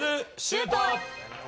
シュート！